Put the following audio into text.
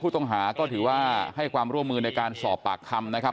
ต้องหาก็ถือว่าให้ความร่วมมือในการสอบปากคำนะครับ